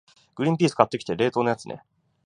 グリンピース買ってきて、冷凍のやつね。